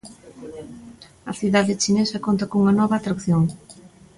A cidade chinesa conta cunha nova atracción.